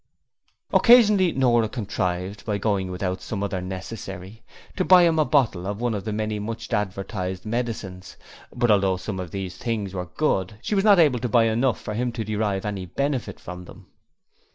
Occasionally Nora contrived by going without some other necessary to buy him a bottle of one of the many much advertised medicines; but although some of these things were good she was not able to buy enough for him to derive any benefit from them.